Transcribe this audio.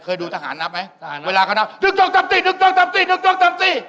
เคยดูทหารนับไหมเวลาเขานับนึกจองจำสี่